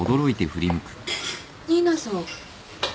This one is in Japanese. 新名さん。